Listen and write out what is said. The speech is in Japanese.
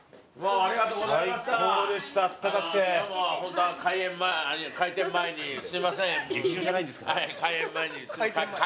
ありがとうございます。